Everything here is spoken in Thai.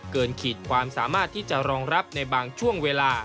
ขีดความสามารถที่จะรองรับในบางช่วงเวลา